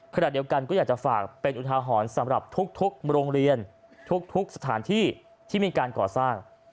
ขณะเดียวกันก็อยากจะฝากเป็นอุทาหรณ์สำหรับทุกโรงเรียนทุกสถานที่ที่มีการก่อสร้าง